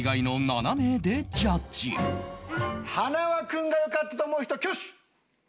塙君が良かったと思う人挙手！